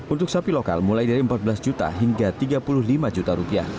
untuk sapi lokal mulai dari rp empat belas juta hingga rp tiga puluh lima juta